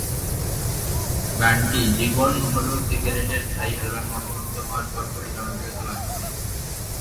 গানটি "জীবন হলো সিগারেটের ছাই" অ্যালবামে অন্তর্ভুক্ত হওয়ার পরপরই জনপ্রিয়তা লাভ করে।